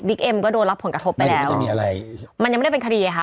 วิกเอ็มก็โดนรับผลกระทบไปแล้วมันยังไม่ได้เป็นคดีค่ะ